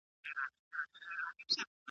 که وخت وي، ښوونځي ته ځم.